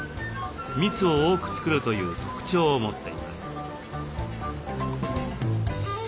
蜜を多く作るという特徴を持っています。